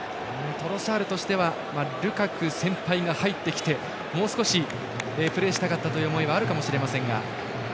トロサールとしてはルカク先輩が入ってきてもう少しプレーしたかったという思いがあるかもしれません。